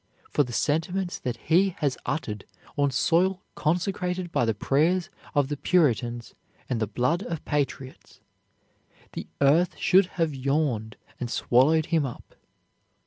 For the sentiments that he has uttered, on soil consecrated by the prayers of the Puritans and the blood of patriots. the earth should have yawned and swallowed him up."